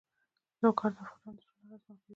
لوگر د افغانانو ژوند اغېزمن کوي.